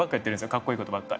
かっこいい事ばっか。